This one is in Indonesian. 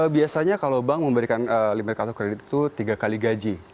biasanya kalau bank memberikan limit kartu kredit itu tiga kali gaji